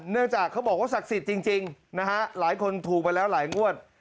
เนื่องจากเขาบอกว่าศักดิ์สิทธิ์จริงนะฮะหลายคนถูกไปแล้วหลายงวด